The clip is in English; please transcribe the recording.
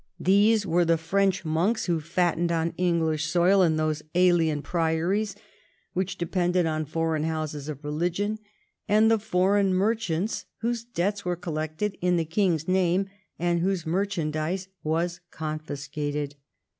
These were the French monks, who fattened on English soil in those " alien priories " which depended on foreign houses of religion ; and the foreign merchants, whose debts were collected in the king's name, and whose merchandise was confiscated.